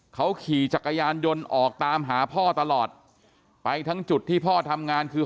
เขาขี่จักรยานยนต์ออกตามหาพ่อตลอดไปทั้งจุดที่พ่อทำงานคือ